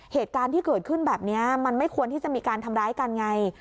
เหตุการณ์ที่เกิดขึ้นแบบนี้มันไม่ควรที่จะมีการทำร้ายกันไง